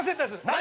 何！？